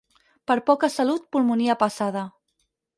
Per poca salut pulmonia passada.